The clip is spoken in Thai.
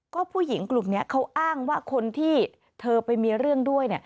ก็ผู้หญิงกลุ่มนี้เขาอ้างว่าคนที่เธอไปมีเรื่องด้วย